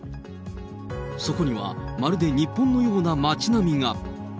そこにはまるで日本のような街並みが。